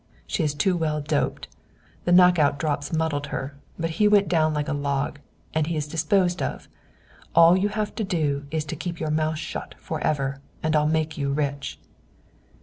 She was too well doped. The knock out drops muddled her; but he went down like a log. And he is disposed of! All you have to do is to keep your mouth shut forever. I will make you rich."